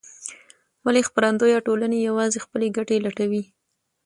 ولې خپرندویه ټولنې یوازې خپلې ګټې لټوي؟